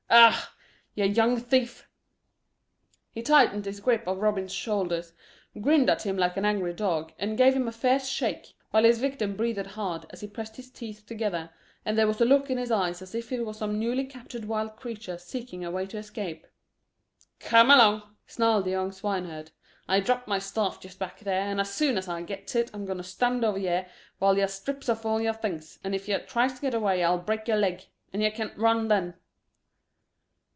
Errrr! yer young thief!" He tightened his grip of Robin's shoulders, grinned at him like an angry dog, and gave him a fierce shake, while his victim breathed hard as he pressed his teeth together, and there was the look in his eyes as if he were some newly captured wild creature seeking a way to escape. "Kerm along," snarled the young swineherd. "I dropped my staff just back here, and as soon as I gets it, I'm going to stand over yer while yer strips off all them things; and if yer tries to get away I'll break yer legs, and yer can't run then."